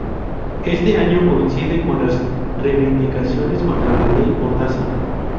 Este año coincide con las reivindicaciones contra la Ley Mordaza.